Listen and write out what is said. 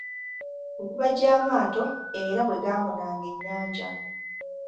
Okubajja amaato era bwe gaabunanga ennyanja.